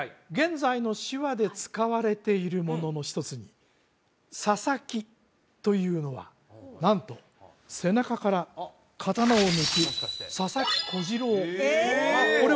現在の手話で使われているものの一つに「佐々木」というのはなんと背中から刀を抜くええっ！